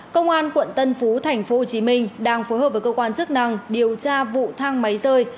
công an tp hcm đang phối hợp với cơ quan chức năng điều tra vụ thang máy rơi